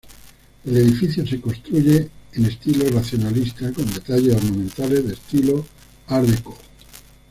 El edificio se construye en estilo racionalista, con detalles ornamentales de estilo art-decó.